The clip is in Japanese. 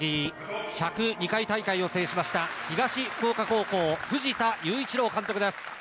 １０２回大会を制しました東福岡高校、藤田雄一郎監督です。